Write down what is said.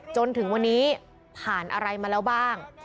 จนถึงวันนี้ผ่านอะไรมาแล้วบ้าง